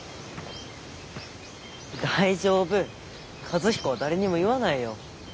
大丈夫和彦は誰にも言わないよ。